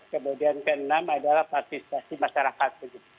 kemudian keenam adalah partisipasi masyarakat